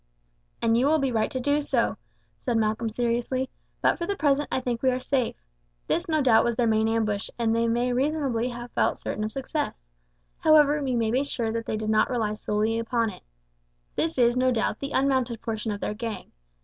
"And you will be right to do so," Malcolm said seriously; "but for the present I think that we are safe. This, no doubt, was their main ambush, and they may reasonably have felt certain of success. However, we may be sure that they did not rely solely upon it. This, no doubt, is the unmounted portion of their gang.